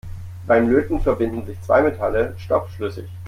Beim Löten verbinden sich zwei Metalle stoffschlüssig.